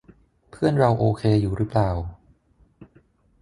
เพื่อนเราโอเคอยู่รึเปล่า